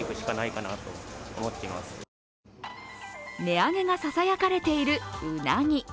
値上げがささやかれているうなぎ。